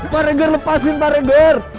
pak regar lepasin pak regar